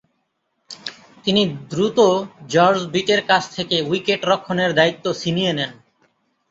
তিনি দ্রুত জর্জ বিটের কাছ থেকে উইকেট-রক্ষণের দায়িত্ব ছিনিয়ে নেন।